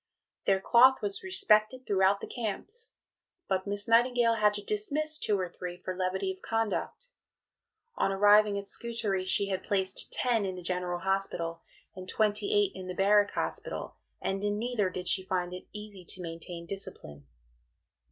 Their cloth was respected throughout the camps; but Miss Nightingale had to dismiss two or three for levity of conduct. On arriving at Scutari, she had placed ten in the General Hospital and twenty eight in the Barrack Hospital, and in neither did she find it easy to maintain discipline.